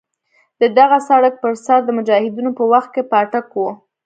د دغه سړک پر سر د مجاهدینو په وخت کې پاټک وو.